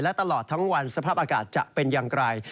และตลอดทั้งวันสภาพอากาศจะเป็นอย่างไร